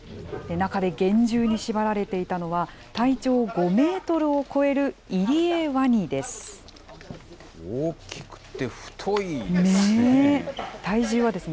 中で厳重に縛られていたのは、体長５メートルを超えるイリエワニ大きくて太いですね。